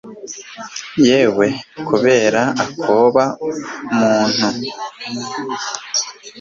yewe(kubera akoba!) muntu!